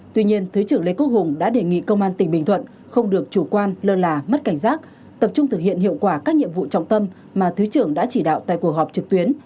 tuy nhiên thứ trưởng lê quốc hùng đã đề nghị công an tỉnh bình thuận không được chủ quan lơ là mất cảnh giác tập trung thực hiện hiệu quả các nhiệm vụ trọng tâm mà thứ trưởng đã chỉ đạo tại cuộc họp trực tuyến